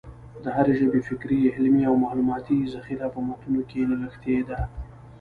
د هري ژبي فکري، علمي او معلوماتي ذخیره په متونو کښي نغښتې ده.